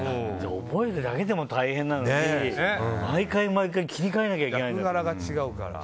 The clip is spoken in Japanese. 覚えるだけでも大変なのに毎回切り替えなきゃいけないからね。